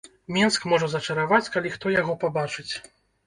Менск можа зачараваць, калі хто яго пабачыць.